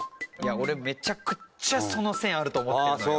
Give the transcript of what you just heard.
俺めちゃくちゃその線あると思ってるのよ。